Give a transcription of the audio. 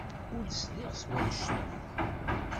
Ur sliɣ s wanect-a.